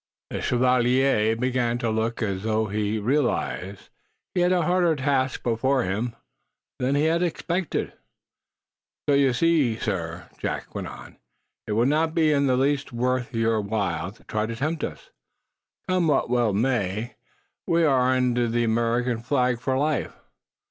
The Chevalier d'Ouray began to look as though he realized he had a harder task before him than he had expected. "So you see, sir," Jack went on, "it will not be in the least worth your while to try to tempt us. Come what will or may, we are under the American flag for life.